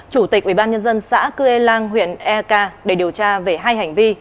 chủ tịch ubnd xã cư ê lang huyện e k để điều tra về hai hành vi